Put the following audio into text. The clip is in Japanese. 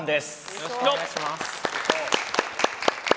よろしくお願いします。